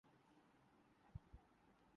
کمرے میں لیٹ گیا ہوں